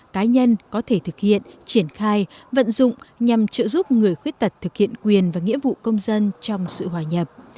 cá nhân có thể thực hiện triển khai vận dụng nhằm trợ giúp người khuyết tật thực hiện quyền và nghĩa vụ công dân trong sự hòa nhập